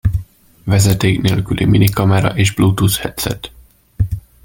Vezeték nélküli minikamera és bluetooth headset.